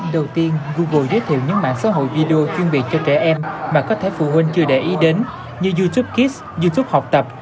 đầu tiên google giới thiệu những mạng xã hội video chuyên biệt cho trẻ em mà có thể phụ huynh chưa để ý đến như youtube kit youtube học tập